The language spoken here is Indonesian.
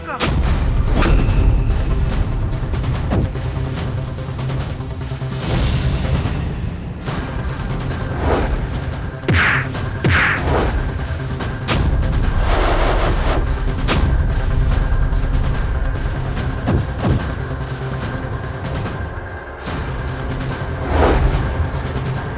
kalian pergi dari sini